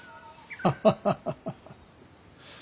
ハハハハ。